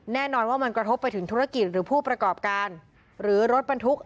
แน่นอนว่ามันกระทบไปถึงธุรกิจหรือผู้ประกอบการหรือรถบรรทุก